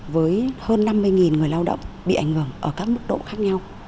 với hơn năm mươi người lao động bị ảnh hưởng ở các mức độ khác nhau